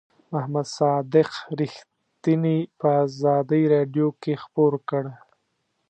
محمد صادق رښتیني په آزادۍ رادیو کې خپور کړ.